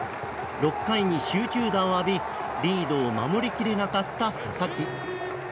６回に集中打を浴びリードを守り切れなかった佐々木。